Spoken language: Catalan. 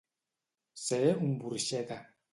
Ser un burxeta.